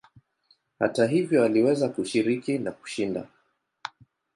Hata hivyo aliweza kushiriki na kushinda.